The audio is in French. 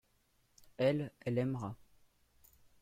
elle, elle aimera.